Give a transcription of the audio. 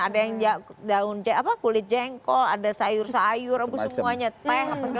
ada yang daun kulit jengkol ada sayur sayur semuanya teh